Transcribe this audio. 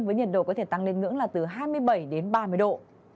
với nhiệt độ có thể tăng lên ngưỡng là từ hai mươi bảy đến ba mươi độ